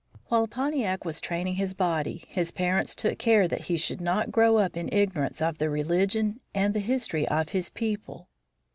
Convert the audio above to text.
While Pontiac was training his body, his parents took care that he should not grow up in ignorance of the religion and the history of his people.